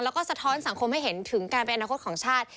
แล้วก็สะท้อนสังคมให้เห็นถึงการเป็นอนาคตของชาติ